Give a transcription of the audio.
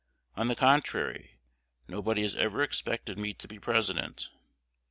On the contrary, nobody has ever expected me to be President.